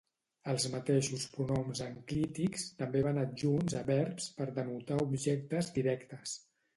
Els mateixos pronoms enclítics també van adjunts a verbs per denotar objectes directes.